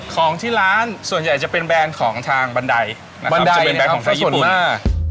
ของที่ร้านส่วนใหญ่จะเป็นแบรนด์ของทางบันไดบันไดความส่วนมา